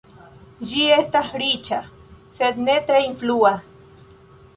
Ĝi estis riĉa, sed ne tre influa.